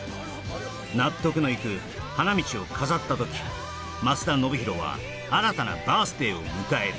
納得のいく花道を飾ったとき松田宣浩は新たなバース・デイを迎える